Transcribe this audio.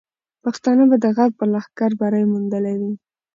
پښتانه به د غرب پر لښکر بری موندلی وي.